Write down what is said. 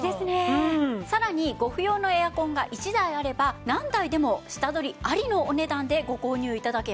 さらにご不要のエアコンが１台あれば何台でも下取りありのお値段でご購入頂けます。